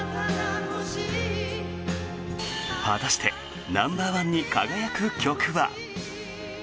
果たしてナンバーワンに輝く曲は？